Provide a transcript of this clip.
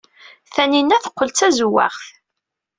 Taninna teqqel d tazewwaɣt.